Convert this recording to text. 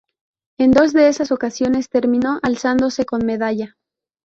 En dos de esas ocasiones terminó alzándose con medalla.